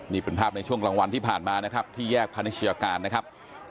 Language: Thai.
นี่เป็นภาพในช่วงกลางวันที่ผ่านมานะครับที่แยกพาณิชยาการนะครับ